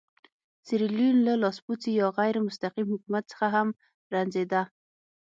سیریلیون له لاسپوڅي یا غیر مستقیم حکومت څخه هم رنځېده.